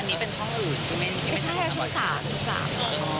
อันนี้เป็นช่องอื่นไม่ใช่ช่องสาม